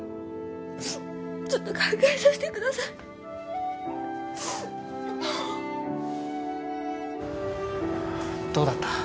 ちょっと考えさせてくださいどうだった？